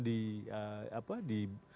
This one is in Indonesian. di apa di